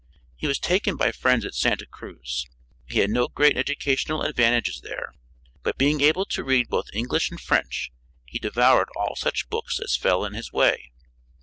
He was taken by friends at Santa Cruz. He had no great educational advantages there, but being able to read both English and French he devoured all such books as fell in his way.